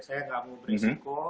saya nggak mau berisiko